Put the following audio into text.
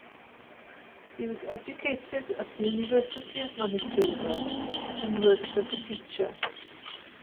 He was educated at the University of Manitoba, and worked as a teacher.